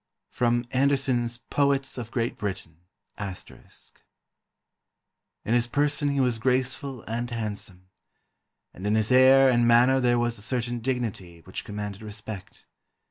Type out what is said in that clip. [Sidenote: Anderson's Poets of Great Britain. *] "In his person he was graceful and handsome, and in his air and manner there was a certain dignity which commanded respect.